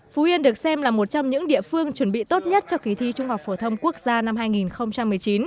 phú yên được xem là một trong những địa phương chuẩn bị tốt nhất cho kỳ thi trung học phổ thông quốc gia năm hai nghìn một mươi chín